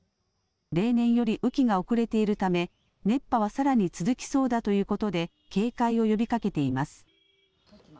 例年より雨期が遅れているため熱波はさらに続きそうだということで警戒を呼びかけています。